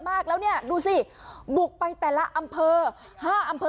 มากแล้วเนี่ยดูสิบุกไปแต่ละอำเภอ๕อำเภอ